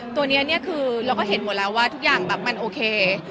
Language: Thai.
ตัวนี้เนี่ยคือเราก็เห็นหมดแล้วว่าทุกอย่างแบบมันโอเค